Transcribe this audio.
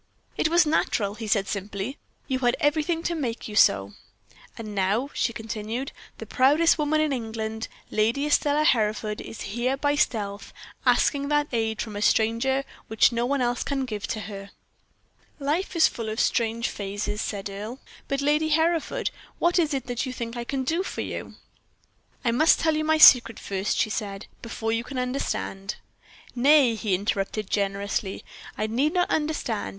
"It was natural," he said, simply; "you had everything to make you so." "And now," she continued, "the proudest woman in England, Lady Estelle Hereford, is here by stealth, asking that aid from a stranger which no one else can give to her." "Life is full of strange phases," said Earle. "But, Lady Hereford, what is it that you think I can do for you?" "I must tell you my secret first," she said, "before you can understand " "Nay," he interrupted, generously, "I need not understand.